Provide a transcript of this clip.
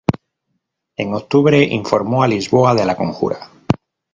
En octubre, informó a Lisboa de la conjura.